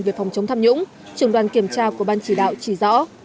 về phòng chống tham nhũng trưởng đoàn kiểm tra của ban chỉ đạo chỉ rõ